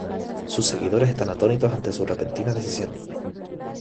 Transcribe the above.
Sus seguidores están atónitos ante su repentina decisión.